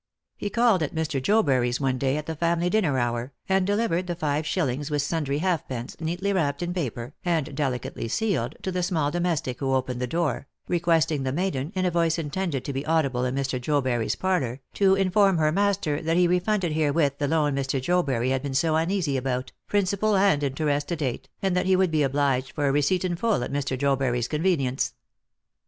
He called at Mr. Jobury's one day at the family dinner hour, and delivered the five shillings with sundry halfpence, neatly wrapped in paper, and delicately sealed, to the small domestic who opened the door, requesting the maiden, in a voice intended to be audible in Mr. Jobury's parlour, to inform her master that he refunded herewith the loan Mr. Jobury had been so uneasy about, principal and in terest to date, and that he would be obliged for a receipt in full at Mr. Jobury's convenience.